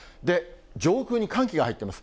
上空に寒気が入ってます。